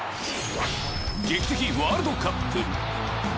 劇的ワールドカップ。